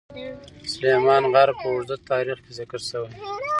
سلیمان غر په اوږده تاریخ کې ذکر شوی.